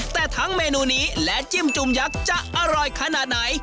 แต่ทั้งเมนูนี้และจิ้มจุ่มยักษ์จะอร่อยขนาดไหน